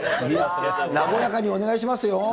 和やかにお願いしますよ。